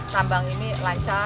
tambang ini lancar